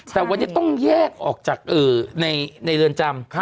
แต่วันนี้ต้องแยกออกจากในเรือนจำ